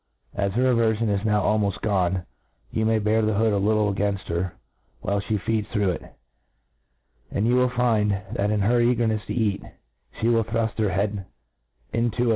As her averfion is now almqft gone, ybu may bear the hood a little againft her while flie feeds through it ; and you will find, that in her eagerncfs to eat, fhe will thruft her head in fo it